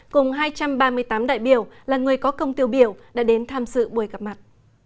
cùng hai trăm ba mươi tám đại biểu là người có công tiêu biểu đã đến tham dự buổi gặp mặt